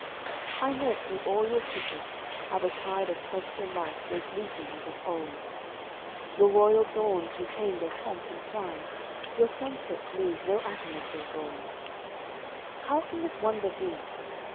"I note through all your fissures how the tide Of healthful life goes leaping as of old; Your royal dawns retain their pomp and pride; Your sunsets lose no atom of their gold. How can this wonder be?"